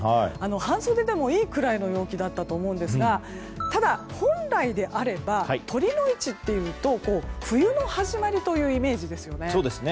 半袖でもいいくらいの陽気だったと思うんですがただ、本来であれば酉の市っていうと冬の始まりというイメージですよね。